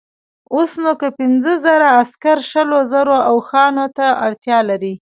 اوس نو که پنځه زره عسکر شلو زرو اوښانو ته اړتیا لري.